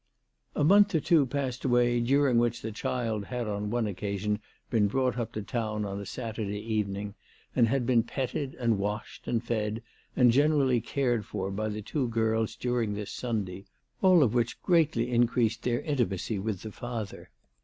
A month or two passed away during which the child had on one occasion been brought up to town on a Saturday evening, and had been petted and washed and fed and generally cared for by the two girls during the Sunday, all which 'greatly increased their inti macy with the father.